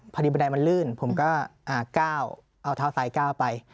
บันไดมันลื่นผมก็ก้าวเอาเท้าซ้ายก้าวไป